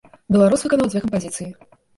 Беларус выканаў дзве кампазіцыі.